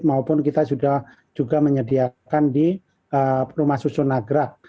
maupun kita juga sudah menyediakan di rumah susu nagrak